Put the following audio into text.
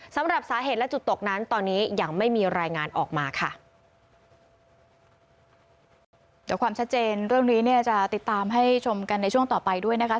สำหรับสาเหตุและจุดตกนั้นตอนนี้ยังไม่มีรายงานออกมาค่ะ